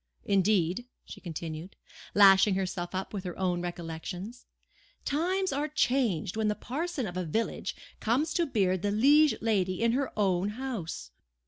Indeed," she continued, lashing herself up with her own recollections, "times are changed when the parson of a village comes to beard the liege lady in her own house.